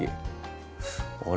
あれ？